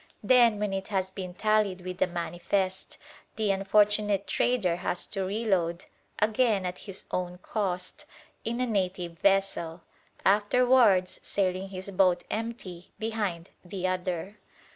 Then, when it has been tallied with the "manifest," the unfortunate trader has to reload, again at his own cost, in a native vessel: afterwards sailing his boat empty behind the other.